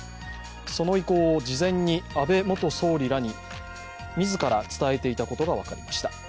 その意向を事前に安倍元総理らに自ら伝えていたことが分かりました。